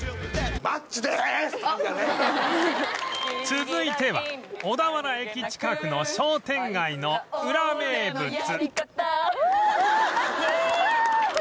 続いては小田原駅近くの商店街のウラ名物マッチ！